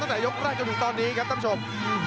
ตั้งแต่ยกแรกจนถึงตอนนี้ครับท่านผู้ชม